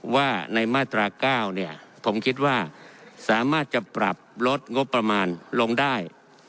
ว่าในมาตรา๙เนี่ยผมคิดว่าสามารถจะปรับลดงบประมาณลงได้